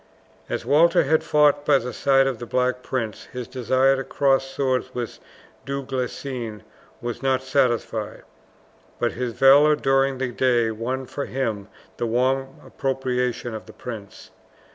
As Walter had fought by the side of the Black Prince his desire to cross swords with Du Guesclin was not satisfied; but his valour during the day won for him the warm approbation of the prince.